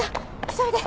急いで。